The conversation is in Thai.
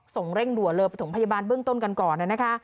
ส่งเร่งดัวเลิยไปถุงพยาบาลเบื้องต้นกันก่อนน่ะนะคะ